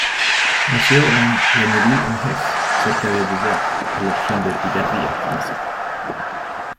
Nació en La Neuville-en-Hez, cerca de Beauvais, en la región de Picardía, Francia.